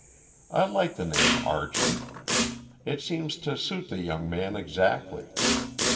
"I like the name Archie. It seems to suit the young man exactly.